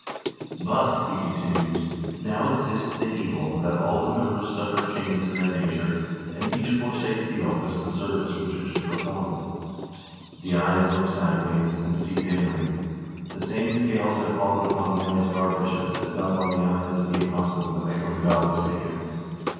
"But," he continues, "now exists the evil, that all the members suffer change in their nature, and each forsakes the office and ser vice which it should perform. The eyes look sideways, and see dimly. The same scales have fallen upon the eyes of our bishops that fell on the eyes of the apostles the night when God was taken.